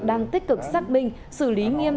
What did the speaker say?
đang tích cực xác minh xử lý nghiêm